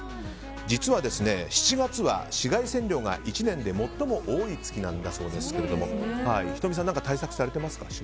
実は、７月は紫外線量が１年で最も多い月なんだそうですけども仁美さん何か対策されていますか。